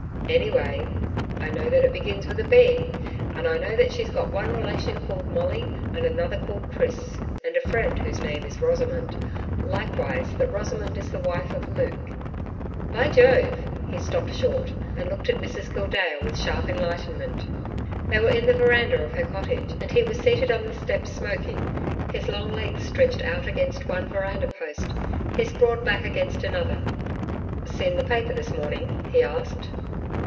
'Anyway, I know that it begins with a "B." And I know that she's got one relation called Molly, and another called Chris, and a friend whose name is Rosamond likewise that Rosamond is the wife of Luke.... By Jove!' He stopped short and looked at Mrs Gildea with sharp enlightenment. They were in the veranda of her cottage, and he was seated on the steps smoking, his long legs stretched out against one veranda post, his broad back against another. 'Seen the paper this morning?' he asked.